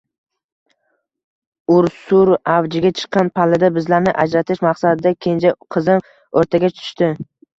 Ur-sur avjiga chiqqan pallada bizlarni ajratish maqsadida kenja qizim o`rtaga tushdi